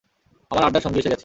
আমার আড্ডার সঙ্গী এসে গেছে!